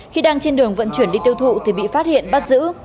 khi đang trên đường vận chuyển đi tiêu thụ thì bị phát hiện bắt giữ